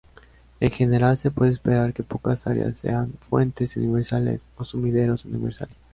En general, se puede esperar que pocas áreas sean fuentes universales, o sumideros universales.